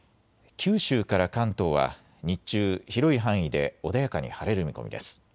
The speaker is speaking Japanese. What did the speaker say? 九州から関東は日中広い範囲で穏やかに晴れる見込みです。